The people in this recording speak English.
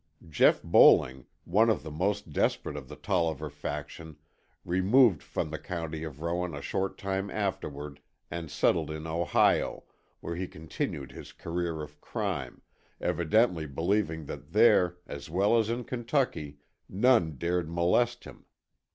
Jeff Bowling, one of the most desperate of the Tolliver faction, removed from the county of Rowan a short time afterward, and settled in Ohio, where he continued his career of crime, evidently believing that there, as well as in Kentucky, none dared molest him.